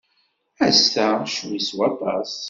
Ass-a ccwi s waṭas.